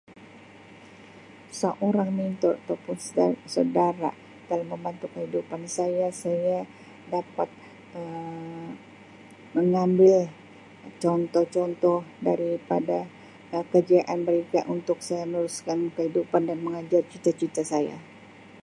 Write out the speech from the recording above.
Saorang mentor atau pun sa-saudara telah membantu kehidupan saya, saya dapat Um mengambil contoh-contoh daripada kejayaan mereka untuk saya meneruskan kehidupan dan mengejar cita-cita saya.